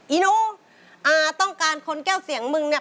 อีหนูอาต้องการคนแก้วเสียงมึงเนี่ย